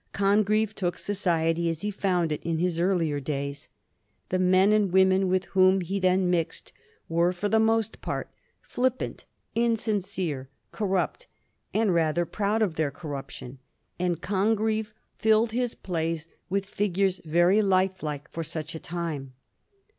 Congreve took society as he found it in his earlier days. The men and women with whom he then mixed were for the most part flippant, insincere, corrupt, and rather proud of their corruption ; and Congreve filled his plays with figures very lifelike for such a time.